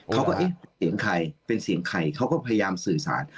เป็นเสียงไข่เป็นเสียงไข่เขาก็พยายามสื่อสาร